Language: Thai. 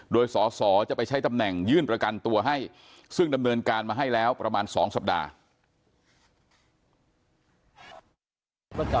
โดยสอสอจะไปใช้ตำแหน่งยื่นประกันตัวให้ซึ่งดำเนินการมาให้แล้วประมาณ๒สัปดาห์